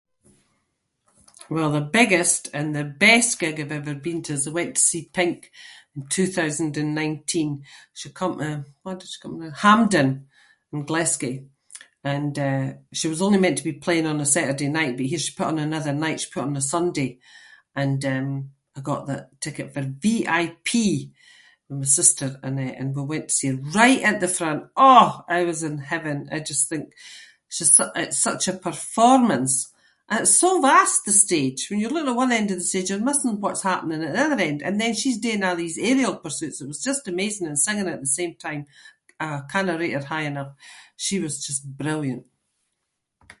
Well the biggest and the best gig I’ve ever been to was I went to see Pink in two-thousand-and-nineteen. She come to- where did she come to? Hampden in Glasgow and, eh, she was only meant to be playing on the Saturday night but here she put on another night- she put on the Sunday, and um, I got the ticket for VIP with my sister and, eh, and we went to see her right at the front- aw! I was in heaven! I just think she's such- it’s such a performance. It’s so vast the stage. When you’re looking at one end of the stage you're missing what’s happening at the other end and then she’s doing all these aerial pursuits- it was just amazing- and singing at the same time. I cannae rate her high enough. She was just brilliant.